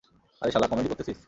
আরে শালা, কমেডি করতেসিস?